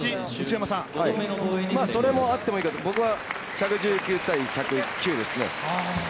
それもあってもいいけど、僕は１１９−１０９ですね。